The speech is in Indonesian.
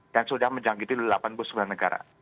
dan sudah menjangkiti delapan puluh sembilan negara